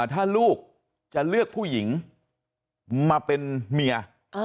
ถ้าลูกจะเลือกผู้หญิงมาเป็นเมีย